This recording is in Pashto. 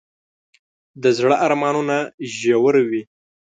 د زړه ارمانونه ژور وي.